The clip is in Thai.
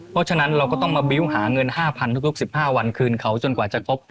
เปลื้อนัส่งติดตาม